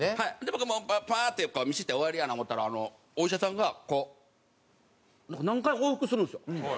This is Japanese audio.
僕もパーッて見せて終わりやな思ったらお医者さんがこう何回も往復するんですよ。